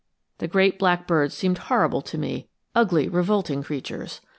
The great black birds seemed horrible to me, ugly, revolting creatures.